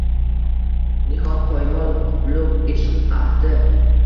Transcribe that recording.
Nihot poymol qutlug ishq ahdi